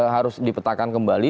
harus dipetakan kembali